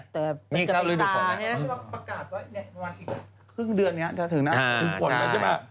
ประกาศว่าเนี่ยประมาณอีกครึ่งเดือนเนี่ยจะถึงนะ